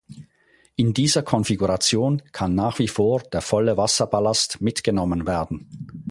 In dieser Konfiguration kann nach wie vor der volle Wasserballast mitgenommen werden.